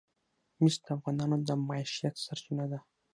مس د افغانانو د معیشت سرچینه ده.